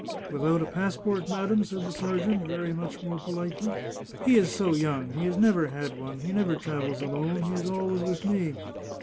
" Without a passport, madam ?" said the sergeant, very much more politely. " He is so young ! He has never had one ; he never travels alone ; he is always with me